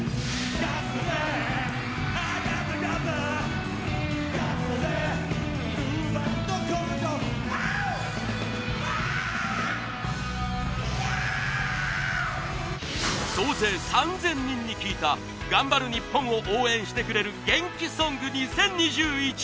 「ガッツだぜＤｏｔｈｅド根性」総勢３０００人に聞いた頑張る日本を応援してくれる元気ソング２０２１。